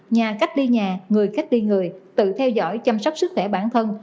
nhà cách ly nhà người cách ly người tự theo dõi chăm sóc sức khỏe bản thân